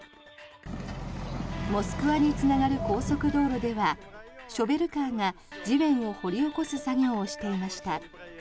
モスクワにつながる高速道路ではショベルカーが地面を掘り起こす作業をしていました。